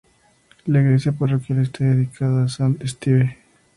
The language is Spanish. La iglesia parroquial está dedicada a Sant Esteve.